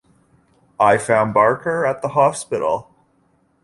I found Barker at the hospital.